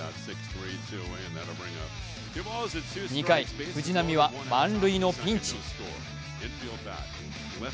２回、藤浪は満塁のピンチ。